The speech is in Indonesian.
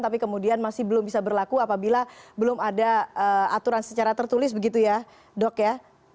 tapi kemudian masih belum bisa berlaku apabila belum ada aturan secara tertulis begitu ya dok ya